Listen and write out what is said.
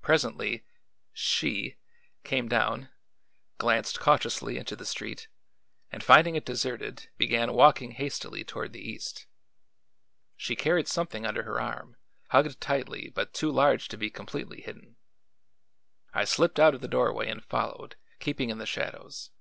Presently she came down, glanced cautiously into the street, and finding it deserted began walking hastily toward the east. She carried something under her arm, hugged tightly but too large to be completely hidden. I slipped out of the doorway and followed, keeping in the shadows.